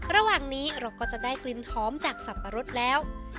ระหว่างนี้เราก็จะได้กลิ่นหอมจากสับปะรดแล้ว